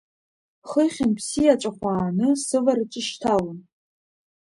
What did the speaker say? Хыхьынтә сиаҵәахә ааны, сывараҿ ишьҭалон.